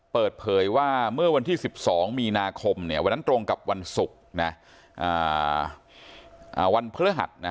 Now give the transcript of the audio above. เปิดเผยว่าเมื่อวันที่๑๒มีนาคมเนี่ยวันนั้นตรงกับวันศุกร์นะวันเผลอหัดนะ